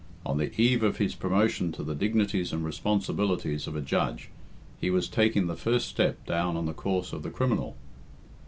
On the eve of his promotion to the dignities and responsibilities of a Judge, he was taking the first step down on the course of the criminal!